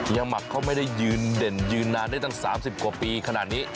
หมักเขาไม่ได้ยืนเด่นยืนนานได้ตั้ง๓๐กว่าปีขนาดนี้